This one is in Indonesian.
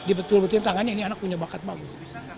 dibetul betulin tangannya ini anak punya bakat bagus